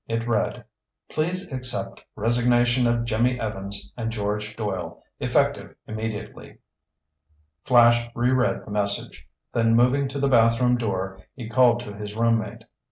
It read: "Please accept resignation of Jimmy Evans and George Doyle, effective immediately." Flash re read the message. Then, moving to the bathroom door he called to his roommate.